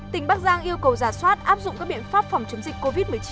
tỉnh bắc giang yêu cầu giả soát áp dụng các biện pháp phòng chống dịch covid một mươi chín